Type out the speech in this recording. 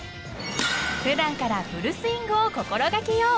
［普段からフルスイングを心掛けよう］